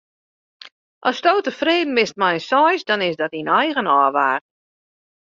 Asto tefreden bist mei in seis, dan is dat dyn eigen ôfwaging.